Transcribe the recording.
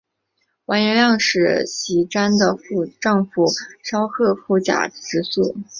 完颜亮使习拈的丈夫稍喝押护卫直宿。